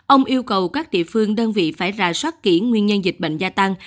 ông yêu cầu các địa phương đơn vị phải rà soát kỹ nguyên nhân dịch bệnh gia tăng